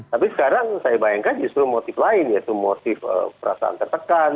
tapi sekarang saya bayangkan justru motif lain yaitu motif perasaan tertekan